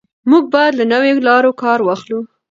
موږ باید له نویو لارو کار واخلو.